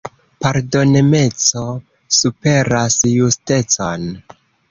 Pardonemeco superas justecon.